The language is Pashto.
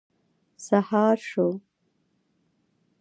سهار شو.